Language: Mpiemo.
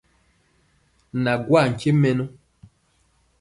Na gwaa nkye mɛnɔ.